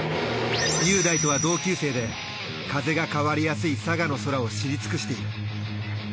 雄大とは同級生で風が変わりやすい佐賀の空を知り尽くしている。